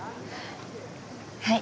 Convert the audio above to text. はい。